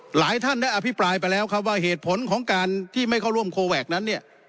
หลายท่านได้อภิปรายไปแล้วครับว่าเหตุผลของการที่ไม่เข้าร่วมโคแวคนั้นเนี่ย